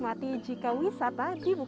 ketika penghubungan wisata penglipuran